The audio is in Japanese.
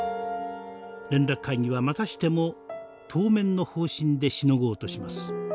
連絡会議はまたしても当面の方針でしのごうとします。